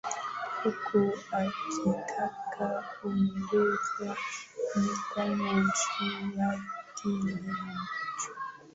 huku akitaka uungwaji mikono juu ya kile ambacho watakiamua